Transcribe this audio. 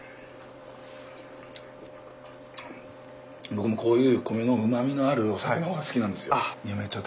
僕もこういう米のうまみのあるお酒の方が好きなんですよ。